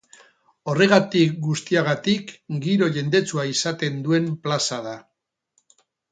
Horregatik guztiagatik, giro jendetsua izaten duen plaza da.